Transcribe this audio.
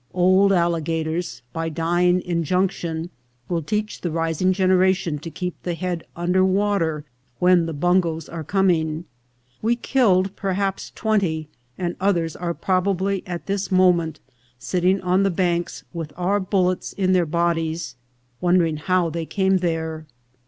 Old alligators, by dying injunction, will teach the rising generation to keep the head under water when the bungoes are com ing. We killed perhaps twenty, and others are proba bly at this moment sitting on the banks with our bullets in their bodies, wondering how they came there.